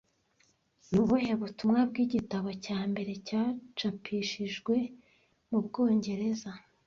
Ni ubuhe butumwa bw'igitabo cya mbere cyacapishijwe mu Bwongereza